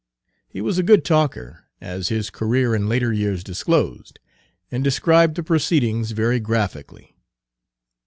He was a good talker, as his career in later years disclosed, and described the proceedings very graphically.